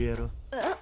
えっ？